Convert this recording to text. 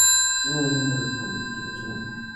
আমার এখানে থাকাটা সম্ভবত ঠিক হচ্ছে না।